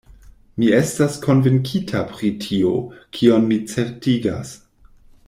Mi estas konvinkita pri tio, kion mi certigas.